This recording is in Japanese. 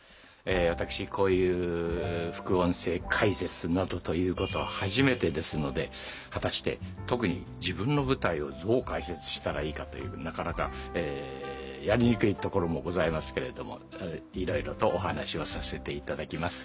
私こういう副音声解説などということは初めてですので果たして特に自分の舞台をどう解説したらいいかというなかなかやりにくいところもございますけれどもいろいろとお話をさせていただきます。